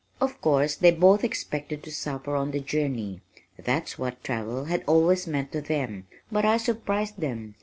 Of course they both expected to suffer on the journey, that's what travel had always meant to them, but I surprised them.